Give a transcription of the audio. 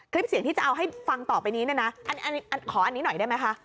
คลิปเสียงที่จะเอาให้ฟังต่อไปนี้เนี่ยนะขออันนี้หน่อยได้ไหมคะ